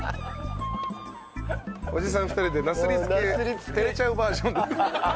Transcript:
おじさん２人でなすりつけ照れちゃうバージョンです。